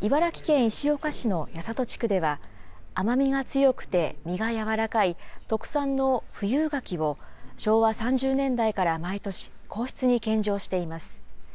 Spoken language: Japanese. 茨城県石岡市の八郷地区では、甘みが強くて実が柔らかい特産の富有柿を、昭和３０年代から毎年、皇室に献上しています。